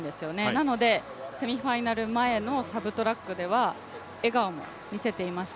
なのでセミファイナル前のサブトラックでは、笑顔も見せていました、